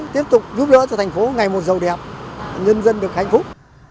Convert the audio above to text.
tiếp tục giúp đỡ cho thành phố ngày một giàu đẹp nhân dân được hạnh phúc